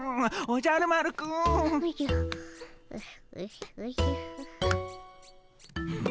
おじゃる丸くん。